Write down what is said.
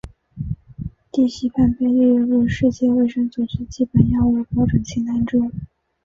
地西泮被列入世界卫生组织基本药物标准清单中。